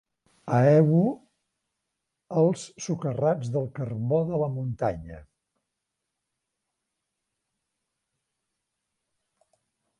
A Ebo, els socarrats del carbó de la muntanya.